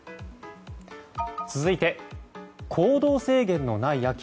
続いて行動制限のない秋。